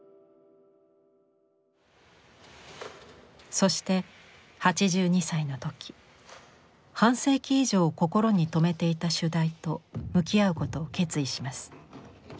そして８２歳の時半世紀以上心に留めていた主題と向き合うことを決意します。